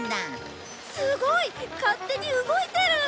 すごい！勝手に動いてる！